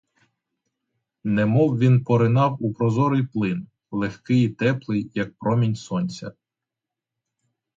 Немов він поринав у прозорий плин, легкий і теплий, як промінь сонця.